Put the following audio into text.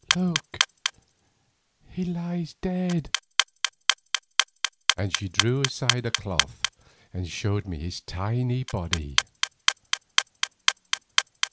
Look, he lies dead!" and she drew aside a cloth and showed me the tiny body.